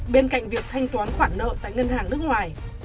bên cạnh việc thanh toán khoản nợ tại ngân hàng nước ngoài